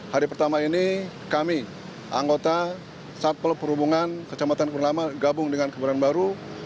hari pertama ini kami anggota satpel perhubungan kecamatan kurnalama gabung dengan keberanian baru